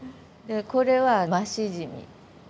これはマシジミ。